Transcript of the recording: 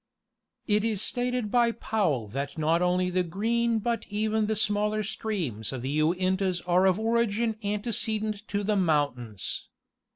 It is stated by Powell that not only the Green but even the smaller streams of the Uintas are of origin antecedent to the mountains.